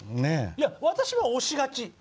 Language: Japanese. いや私は押しがち。